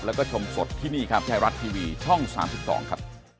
แล้วก็ชมสดที่นี่ครับไทยรัฐทีวีช่อง๓๒ครับ